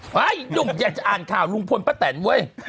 หนุ่มอยากจะอ่านข่าวลุงพลป้าแตนเว้ย